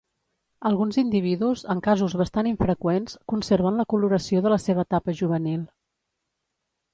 Alguns individus, en casos bastant infreqüents, conserven la coloració de la seva etapa juvenil.